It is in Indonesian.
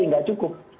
ini tidak cukup